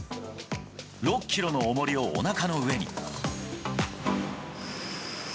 ６キロのおもりをおなかの上に。